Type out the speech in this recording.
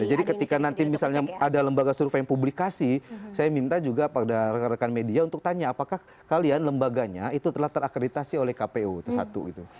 ketika nanti misalnya ada lembaga survei yang publikasi saya minta juga pada rekan rekan media untuk tanya apakah kalian lembaganya itu telah terakreditasi oleh kpu itu satu gitu